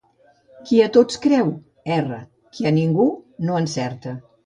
Qui a tots creu, erra; qui a ningú, no encerta.